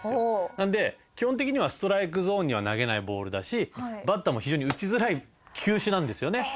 なので基本的にはストライクゾーンには投げないボールだしバッターも非常に打ちづらい球種なんですよね。